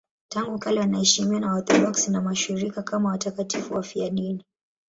Tangu kale wanaheshimiwa na Waorthodoksi wa Mashariki kama watakatifu wafiadini.